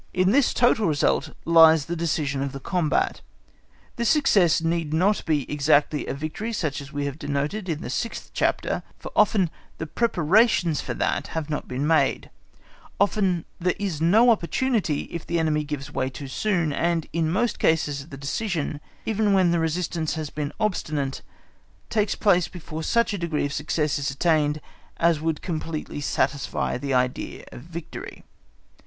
In this total result lies the decision of the combat. This success need not be exactly a victory such as we have denoted in the sixth chapter, for often the preparations for that have not been made, often there is no opportunity if the enemy gives way too soon, and in most cases the decision, even when the resistance has been obstinate, takes place before such a degree of success is attained as would completely satisfy the idea of a victory.